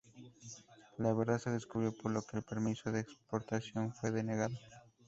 La verdad se descubrió, por lo que el permiso de exportación fue denegado.